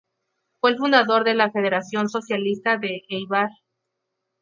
Fue el fundador de la Federación Socialista de Éibar.